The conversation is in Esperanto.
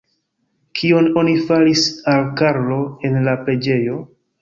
Kion oni faris al Karlo en la preĝejo?